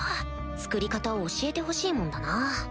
作り方を教えてほしいもんだな